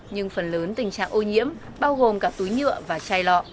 nhưng phần lớn tình trạng ô nhiễm bao gồm cả túi nhựa và chai lọ